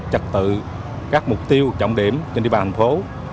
trật tự các mục tiêu trọng điểm trên địa bàn thành phố